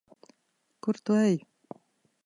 Kur tu ej?